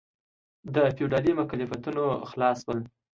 د فیوډالي مکلفیتونو خلاص شول.